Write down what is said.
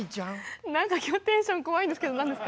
なんか今日テンション怖いんですけど何ですか？